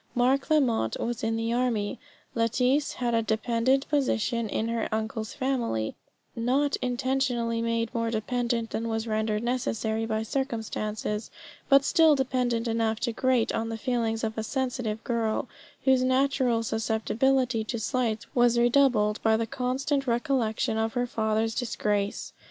Mark Lamotte was in the army; Lettice had a dependent position in her uncle's family; not intentionally made more dependent than was rendered necessary by circumstances, but still dependent enough to grate on the feelings of a sensitive girl, whose natural susceptibilty to slights was redoubled by the constant recollection of her father's disgrace.